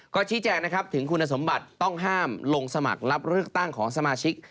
ก็ชี้แจงนะครับถึงคุณสมบัติต้องห้ามลงสมัครรับเลือกตั้งของสมาชิก